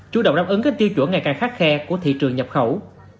chủ động đáp ứng các tiêu chuẩn ngày càng khắc khe của thị trường nhập khẩu